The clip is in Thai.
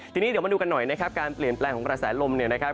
ทีนี้เดี๋ยวมาดูกันหน่อยนะครับการเปลี่ยนแปลงของกระแสลมเนี่ยนะครับ